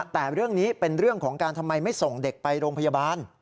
แต่เรื่องนี้เป็นเรื่องของการทำไมไม่ส่งเด็กไปโรงพยาบาล